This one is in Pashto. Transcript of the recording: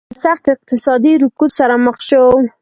چین له سخت اقتصادي رکود سره مخ شو.